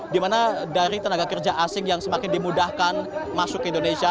dimana dari tenaga kerja asing yang semakin dimudahkan masuk ke indonesia